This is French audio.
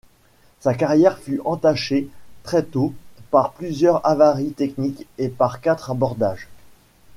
Sa carrière fut entachée très tôt par plusieurs avaries techniques et par quatre abordages.